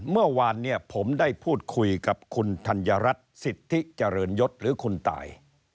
เมื่อวานเนี่ยผมได้พูดคุยกับคุณธัญรัฐสิทธิเจริญยศหรือคุณตาย